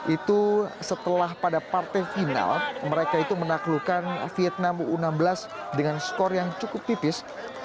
itu setelah pada partai final mereka itu menaklukkan vietnam u enam belas dengan skor yang cukup tipis